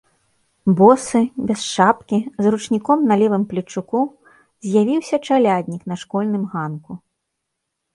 Босы, без шапкі, з ручніком на левым плечуку, з'явіўся чаляднік на школьным ганку.